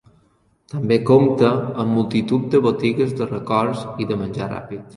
També compta amb multitud de botigues de records i de menjar ràpid.